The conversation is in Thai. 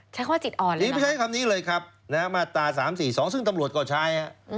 ใช้ข้อจิตอ่อนเลยดีไปใช้คำนี้เลยครับมาตรา๓๔๒ซึ่งตำรวจก็ใช้